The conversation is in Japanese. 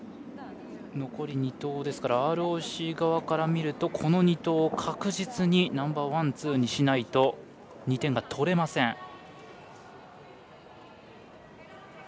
残り２投ですからＲＯＣ側から見るとこの２投を確実にナンバーワン、ツーにしないと２点が取れません。